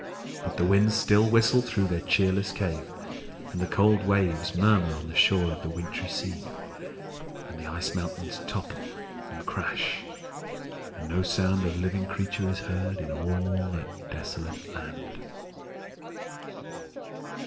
But the winds still whistle through their cheerless cave, and the cold waves murmur on the shore of the wintry sea, and the ice mountains topple and crash, and no sound of living creature is heard in all that desolate land.